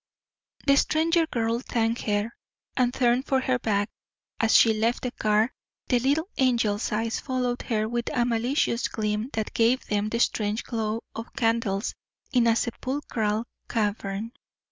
The stranger girl thanked her, and turned for her bag. As she left the car, the Little Angel's eyes followed her with a malicious gleam that gave them the strange glow of candles in a sepulchral cavern.